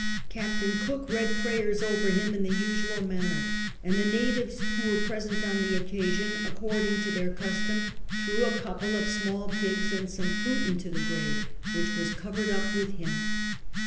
Captain Ctjok read prayers over him in the usual manner ; and the natives Avho Aveiu present on the occasion, accoixling to their custom thrcAv a couple of siiiall pigs and some fruit into the grave, Avhich Avere covered up >vith him.